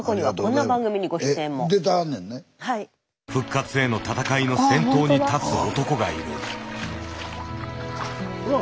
復活へのたたかいの先頭に立つ男がいるあ